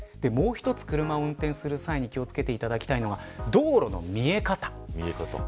もう１つ、車を運転する際に気を付けていただきたいのが道路の見え方。